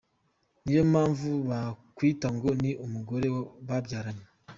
niyo mpamvu bakwita ngo ni umugore babyaranye.